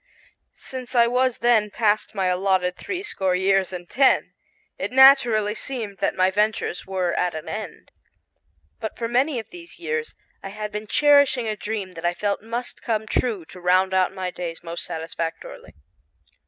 Since I was then past my allotted three score years and ten, it naturally seemed that my ventures were at an end. But for many of these years I had been cherishing a dream that I felt must come true to round out my days most satisfactorily.